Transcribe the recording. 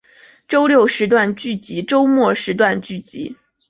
周六时段剧集周末时段剧集